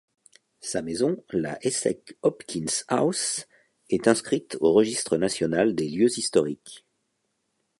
Sa maison, la Esek Hopkins House, est inscrite au Registre national des lieux historiques.